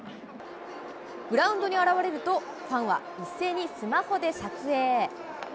グラウンドに現れると、ファンは一斉にスマホで撮影。